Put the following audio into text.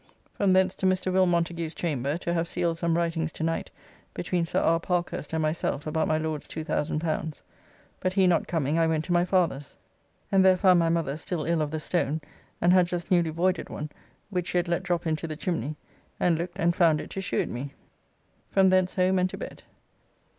From thence to Mr. Will. Montagu's chamber to have sealed some writings tonight between Sir R. Parkhurst and myself about my Lord's L2000, but he not coming, I went to my father's and there found my mother still ill of the stone, and had just newly voided one, which she had let drop into the chimney, and looked and found it to shew it me. From thence home and to bed.